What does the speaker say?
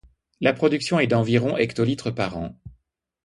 La production est d'environ hectolitres par an.